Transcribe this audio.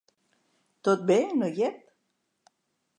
Tot bé, noiet?